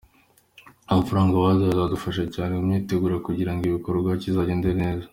Amafaranga baduhaye azadufasha cyane mu myiteguro kugira ngo igikorwa kizagende neza.